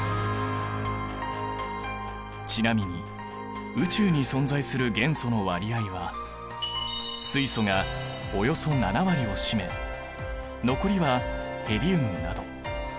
ちなみに宇宙に存在する元素の割合は水素がおよそ７割を占め残りはヘリウムなど。